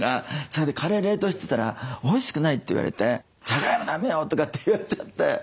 それでカレー冷凍してたら「おいしくない」って言われて「じゃがいもだめよ」とかって言われちゃって。